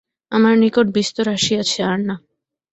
আমার নিকট বিস্তর আসিয়াছে, আর না।